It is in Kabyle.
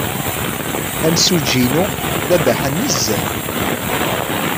Amsujji-inu d abaḥan nezzeh.